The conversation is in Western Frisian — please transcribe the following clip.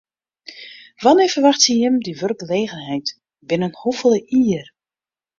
Wannear ferwachtsje jim dy wurkgelegenheid, binnen hoefolle jier?